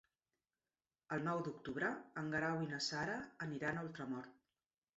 El nou d'octubre en Guerau i na Sara aniran a Ultramort.